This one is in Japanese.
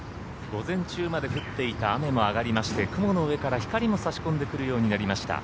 午前中まで降っていた雨も上がりまして雲の上から光も差し込んでくるようになりました。